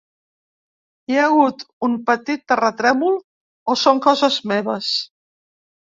Hi ha hagut un petit terratrèmol o són coses meves?